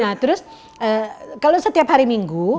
nah terus kalau setiap hari minggu